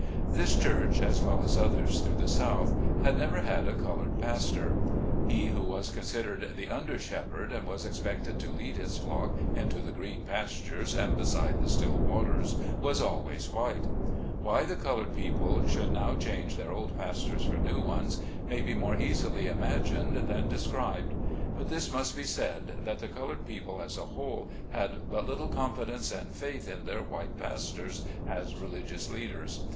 This church, as well as others through the South, had never had a colored pastor. He who was con sidered the under Shepherd and was expected to lead his flock into the green pastures, and beside the still waters, was always white. Why the colored people should now change their old pastors for new ones, 88 SLAVE CABIN TO PULPIT. may be more easily imagined than described. But this must be said, that the colored people as a whole, had but little confidence and faith in their white pastors as religious leaders.